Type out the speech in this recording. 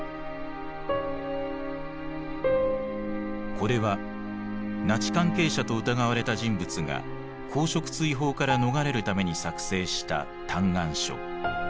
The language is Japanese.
これはナチ関係者と疑われた人物が公職追放から逃れるために作成した嘆願書。